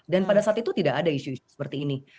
dan pada saat itu tidak ada isu isu seperti ini